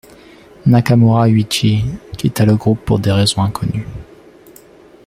Nakamura Yuichi quitta le groupe pour des raisons inconnues.